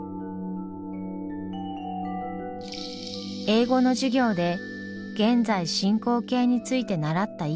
英語の授業で現在進行形について習ったイコ。